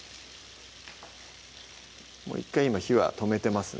もう１回今火は止めてますね